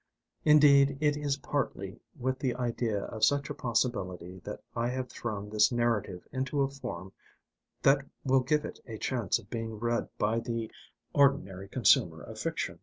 Indeed, it is partly with the idea of such a possibility that I have thrown this narrative into a form that will give it a chance of being read by the ordinary consumer of fiction.